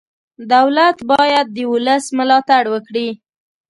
دولت باید د ولس ملاتړ وکړي.